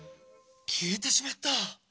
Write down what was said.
きえてしまった。